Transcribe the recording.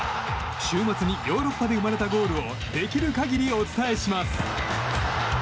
週末にヨーロッパで生まれたゴールをできる限りお伝えします。